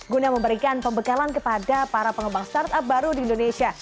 guna memberikan pembekalan kepada para pengembang startup baru di indonesia